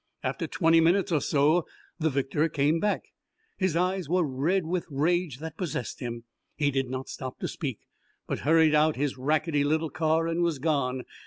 After twenty minutes or so the victor came back. His eyes were red with rage that possessed him. He did not stop to speak, but hurried out his rackety little car and was gone.